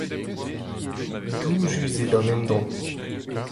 Doujus eo d'an endro.